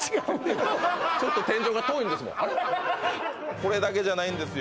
これだけじゃないんですよ